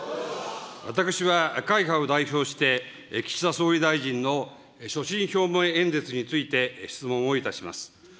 私は会派を代表して、岸田総理大臣の所信表明演説について、質問をいたします。